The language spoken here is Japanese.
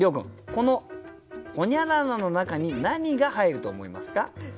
このほにゃららの中に何が入ると思いますか？